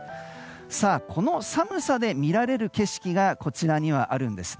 この寒さでみられる景色がこちらにはあるんです。